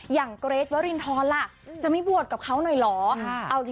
อย่างเกรทว้ารินท้อนจะไม่บวชกับเขาหน่อยหรอ